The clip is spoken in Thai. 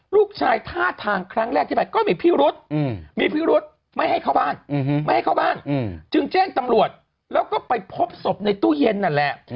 ลูกชายท่าทางครั้งแรกที่๘ก็มีพิรุษไม่ให้เข้าบ้านจึงแจ้งตำรวจแล้วก็ไปพบศพในตู้เย็นนั่นแหละ